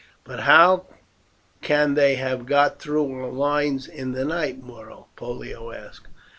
"But how can they have got through our lines in the night, Muro?" Pollio asked.